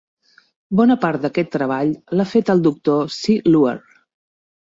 Bona part d'aquest treball l'ha fet el Doctor C. Luer.